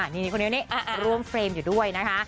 นี่คนนี้ร่วมเฟรมอยู่ด้วยนะคะ